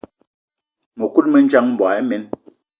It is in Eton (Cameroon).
Mëkudgë mendjang, mboigi imen.